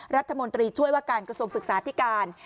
รัฐมนตรีช่วยว่าการกระทรวงศึกษาธิการ